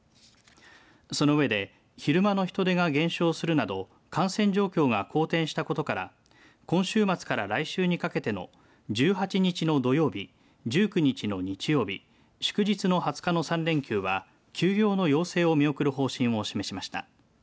その上で、昼間の人出が減少するなど感染状況が好転したことから今週末から来週にかけての１８日の土曜日１９日の日曜日祝日の２０日の３連休は休業の要請を見送る方針を示しました。